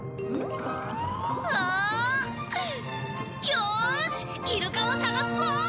よーしイルカを探すぞ！